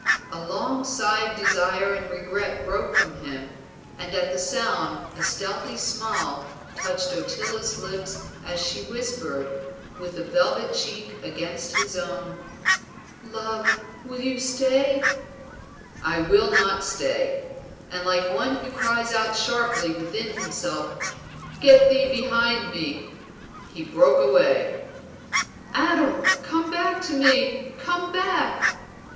A long sigh of desire and regret broke from him, and at the sound a stealthy smile touched Ottila's lips as she whispered, with a velvet cheek against his own "Love, you will stay?" "I will not stay!" And like one who cries out sharply within himself, "Get thee behind me!" he broke away. "Adam, come back to me! Come back!"